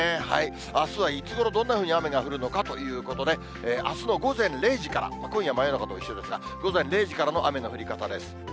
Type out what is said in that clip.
あすはいつごろ、どんなふうに雨が降るのかということで、あすの午前０時から、今夜の真夜中と一緒ですが、午前０時からの雨の降り方です。